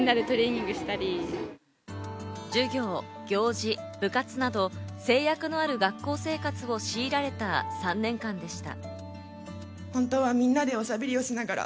授業・行事・部活など、制約のある学校生活を強いられた３年間でした。